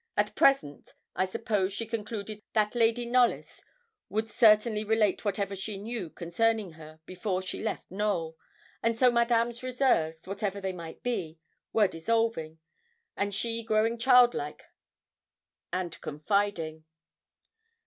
At present I suppose she concluded that Lady Knollys would certainly relate whatever she knew concerning her before she left Knowl; and so Madame's reserves, whatever they might be, were dissolving, and she growing childlike and confiding.